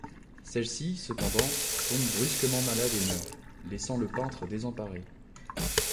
Celle-ci, cependant, tombe brusquement malade et meurt, laissant le peintre désemparé.